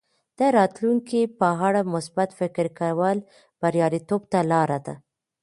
د راتلونکي په اړه مثبت فکر کول بریالیتوب ته لاره ده.